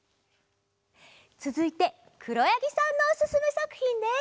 つづいてくろやぎさんのおすすめさくひんです。